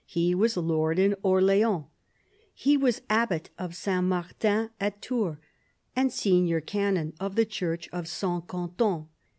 He was lord in Orleans. He was abbat of S. Martin's at Tours and senior canon of the church of S. Quentin.